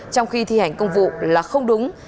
trong khi thi hành công vụ là không đúng